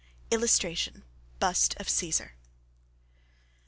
[Illustration: BUST OF CAESAR.